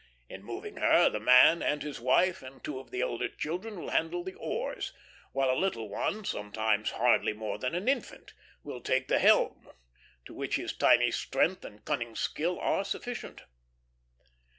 In moving her, the man and his wife and two of the elder children will handle the oars; while a little one, sometimes hardly more than an infant, will take the helm, to which his tiny strength and cunning skill are sufficient.